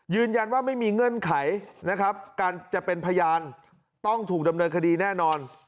ยืนยันว่าไม่มีเงื่อนไขนะครับการจะเป็นพยานต้องถูกดำเนินคดีแน่นอน